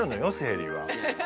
生理は。